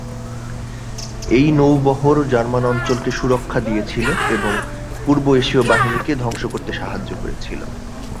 এই নৌ বহর জার্মান অঞ্চলকে সুরক্ষা দিয়েছিল এবং পূর্ব এশিয় বাহিনীকে ধ্বংস করতে সাহায্য করেছিলো।